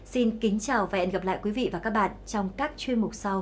xin kính chào và hẹn gặp lại quý vị và các bạn trong các chuyên mục sau